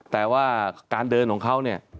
แต่ว่าการเดินของเขาเนี่ย